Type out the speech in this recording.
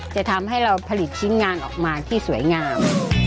จะทำให้เราผลิตชิ้นงานออกมาที่สวยงาม